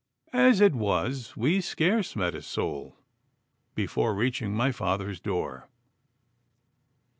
As it was, we scarce met a soul before reaching my father's door.